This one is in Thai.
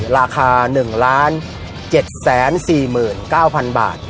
ราคา๑๗๔๙๐๐บาท